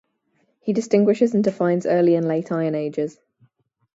He distinguishes and defines Early and Late Iron Ages.